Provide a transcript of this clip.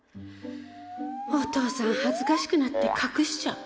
おとうさん恥ずかしくなって隠しちゃう。